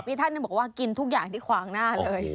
ท่านบอกว่ากินทุกอย่างที่ขวางหน้าเลย